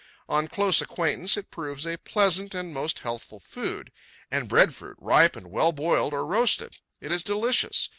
On close acquaintance it proves a pleasant and most healthful food. And breadfruit, ripe and well boiled or roasted! It is delicious.